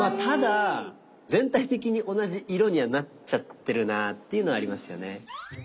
ただ全体的に同じ色にはなっちゃってるなっていうのはありますよね。